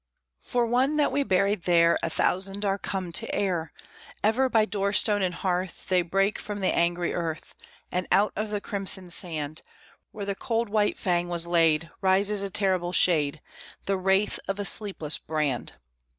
For one that we buried there, A thousand are come to air! Ever, by door stone and hearth, They break from the angry earth And out of the crimson sand, Where the cold white Fang was laid, Rises a terrible Shade, The Wraith of a sleepless Brand!